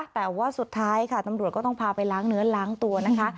แต่ว่าสุดท้ายค่ะตำรวจก็ต้องพาไปล้างเนื้อล้างตัวนะคะ